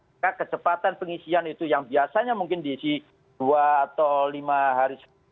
maka kecepatan pengisian itu yang biasanya mungkin diisi dua atau lima hari sekali